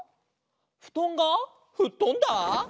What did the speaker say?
「ふとんがふっとんだ」？